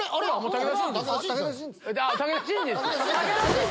武田真治ですよ。